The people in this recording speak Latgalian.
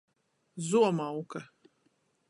Zuomauka.